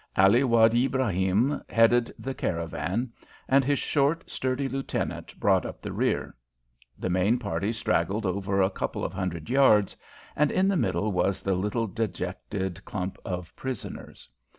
Ali Wad Ibrahim headed the caravan, and his short, sturdy lieutenant brought up the rear. The main party straggled over a couple of hundred yards, and in the middle was the little, dejected clump of prisoners.